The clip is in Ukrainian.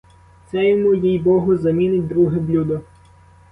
Це йому, їй-богу, замінить друге блюдо.